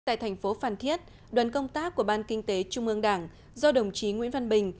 tại thành phố phan thiết đoàn công tác của ban kinh tế trung ương đảng do đồng chí nguyễn văn bình